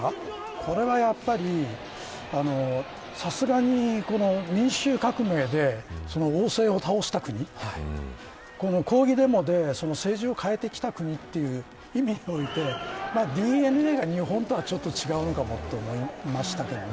これは、やっぱり、さすがに民主革命で王政を倒した国抗議デモで政治を変えてきた国という意味においてＤＮＡが日本とちょっと違うかもと思いましたけどね。